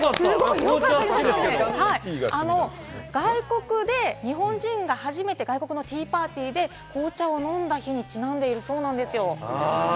外国で日本人が初めて外国のティーパーティーで紅茶を飲んだ日にちなんでいるそうです。